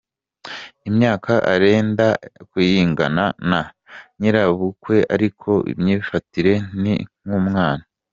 Imyaka arenda kuyingana na nyirabukwe ariko imyifatire ni nk’umwana.